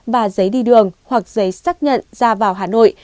và giấy đi đường hoặc giấy xác nhận ra vào hà nội